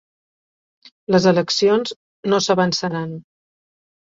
Les eleccions no s'avançaran